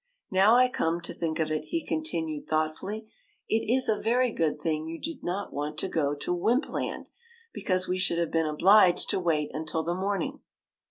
'' Now I come to think of it," he continued thoughtfully, " it is a very good thing you did not want to go to Wympland, because we should have been obliged to wait until the morning.'